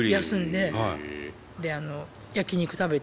で焼き肉食べて。